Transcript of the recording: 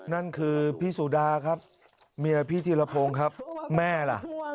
นั่นคือพี่สุดาครับเมียพี่ธีรพงศ์ครับแม่ล่ะ